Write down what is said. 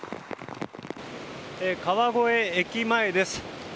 川越駅前です。